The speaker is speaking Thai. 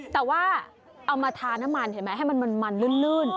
แต่ว่าเอามาทาน้ำมันเห็นไหมให้มันลื่น